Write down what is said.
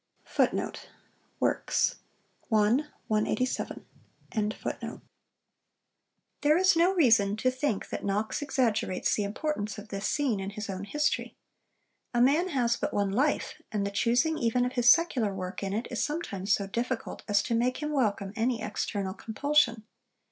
' There is no reason to think that Knox exaggerates the importance of this scene in his own history. A man has but one life, and the choosing even of his secular work in it is sometimes so difficult as to make him welcome any external compulsion.